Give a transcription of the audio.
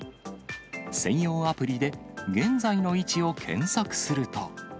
専用アプリで、現在の位置を検索すると。